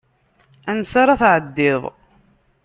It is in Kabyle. Ansa ara tɛeddiḍ?